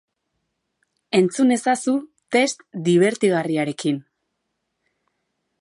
Entzun ezazu test dibertigarriarekin!